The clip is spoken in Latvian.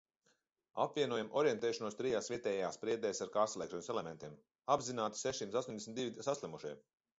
Apvienojam orientēšanos trijās vietējās priedēs ar kārtslēkšanas elementiem. Apzināti sešsimt astoņdesmit divi saslimušie.